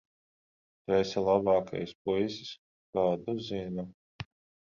Tu esi labākais puisis, kādu zinu.